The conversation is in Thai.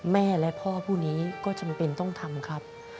แม่และพ่อผู้นี้ก็จำเป็นต้องทำครับ